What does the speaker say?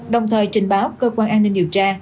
đồng thời trình báo cơ quan an ninh điều tra